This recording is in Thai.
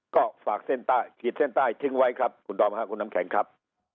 ก็ฝากขีดเส้นใต้ถึงไว้ครับคุณตอบคุณน้ำแข็งครับ